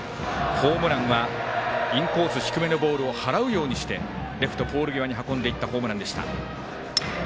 ホームランはインコース低めのボールを払うようにしてレフトポール際に運んでいったホームランでした。